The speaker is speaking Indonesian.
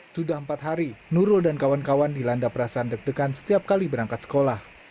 sudah empat hari nurul dan kawan kawan dilanda perasaan deg degan setiap kali berangkat sekolah